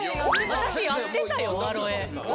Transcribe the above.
私やってたよ、アロエ。